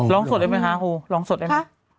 ร้องสดเลยไหมคะครูร้องสดเลยไหม